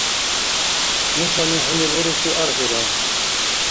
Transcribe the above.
Нушани хӀуни буруси аргъира